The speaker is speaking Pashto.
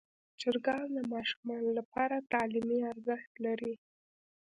چرګان د ماشومانو لپاره تعلیمي ارزښت لري.